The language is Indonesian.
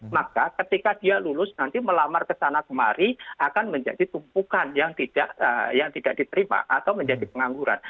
maka ketika dia lulus nanti melamar ke sana kemari akan menjadi tumpukan yang tidak diterima atau menjadi pengangguran